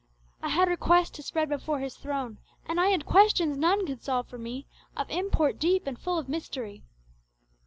I had requests to spread before His throne, And I had questions none could solve for me, Of import deep, and full of mystery.